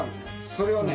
それをね